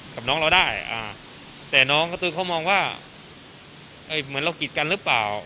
กับน้องเราได้อ่าแต่น้องกระตูนเขามองว่าเอ้ยเหมือนเรากรีดกันหรือเปล่า